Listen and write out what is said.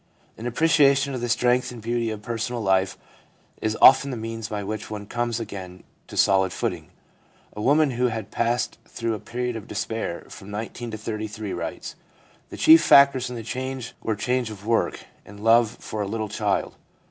An appreciation of the strength and beauty of personal life is often the means by which one comes again to a solid footing. A woman who had passed through a period of despair from 19 to 33 writes :' The chief factors in the change were change of work and love for a little child.